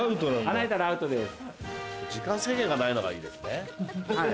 穴開いたらアウトです。